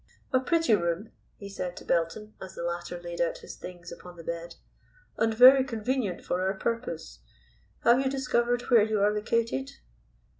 "A pretty room," he said to Belton, as the latter laid out his things upon the bed, "and very convenient for our purpose. Have you discovered where you are located?"